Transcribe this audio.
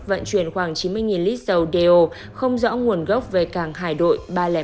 vận chuyển khoảng chín mươi lít dầu đeo không rõ nguồn gốc về cảng hải đội ba trăm linh tám